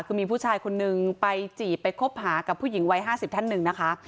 คือมีผู้ชายคนนึงไปจีบไปคบหากับผู้หญิงวัย๕๐ท่านหนึ่งนะคะ